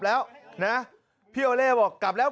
อ๋อไม่ได้ตั้งตัวเนอะ